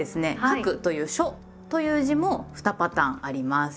「『書』く」という「書」という字も２パターンあります。